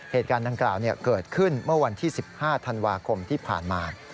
เหตุการณ์ดังกล่าวเกิดขึ้นเมื่อวันที่๑๕ธันวาคมที่ผ่านมา